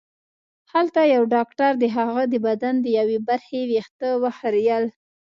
هلته یو ډاکټر د هغه د بدن د یوې برخې وېښته وخریل